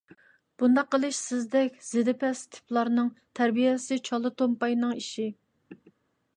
بۇنداق قىلىش سىزدەك زىدىپەس تىپلارنىڭ، تەربىيەسى چالا تومپاينىڭ ئىشى.